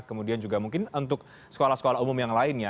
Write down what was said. kemudian juga mungkin untuk sekolah sekolah umum yang lainnya